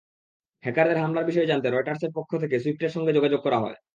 হ্যাকারদের হামলার বিষয়ে জানতে রয়টার্সের পক্ষ থেকে জানতে সুইফটের সঙ্গে যোগাযোগ করা হয়।